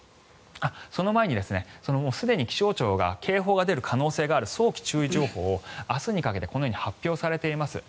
その前にすでに気象庁が警報が出る可能性がある早期注意情報明日にかけて発表されています。